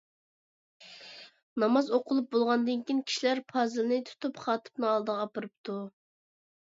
ناماز ئوقۇلۇپ بولغاندىن كېيىن، كىشىلەر پازىلنى تۇتۇپ خاتىپنىڭ ئالدىغا ئاپىرىپتۇ.